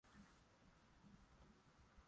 Ninasoma Sana.